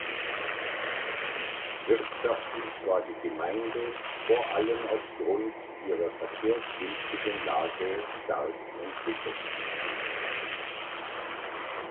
Wirtschaftlich war die Gemeinde vor allem aufgrund ihrer verkehrsgünstigen Lage stark entwickelt.